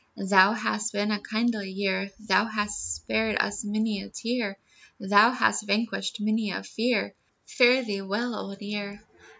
Thou hast been a kindly year, Thou hast spared us many a tear, Thou hast vanquished many a fear, Fare thee well, Old Year.